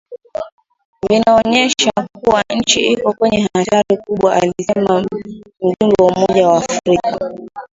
vinaonyesha kuwa nchi iko kwenye hatari kubwa alisema mjumbe wa Umoja wa Afrika